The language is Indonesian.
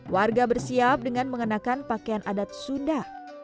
warga bersiap dengan mengenakan pakaian adat sunda